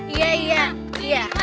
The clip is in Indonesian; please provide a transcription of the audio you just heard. iya terima ya